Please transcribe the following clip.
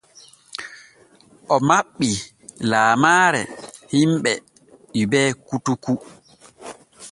O maɓɓii laamaare hiɓɓe Hubert koutoukou.